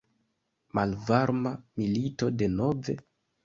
Malvarma milito denove?